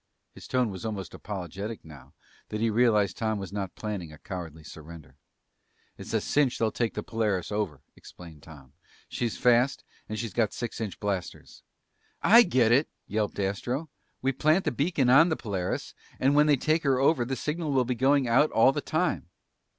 His tone was almost apologetic now that he realized Tom was not planning a cowardly surrender. "It's a cinch they'll take the Polaris over," explained Tom. "She's fast and she's got six inch blasters." "I get it!" yelped Astro. "We plant the beacon on the Polaris, and when they take her over, the signal will be going out all the time."